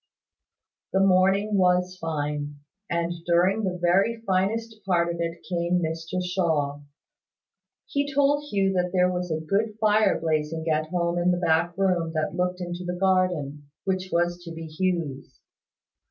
The morning was fine; and during the very finest part of it came Mr Shaw. He told Hugh that there was a good fire blazing at home in the back room that looked into the garden, which was to be Hugh's.